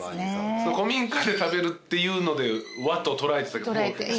古民家で食べるっていうので和と捉えてたけど。